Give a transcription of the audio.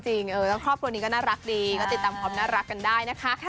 ครอบครัวนี้ก็น่ารักดีก็ติดตามความน่ารักกันได้นะคะ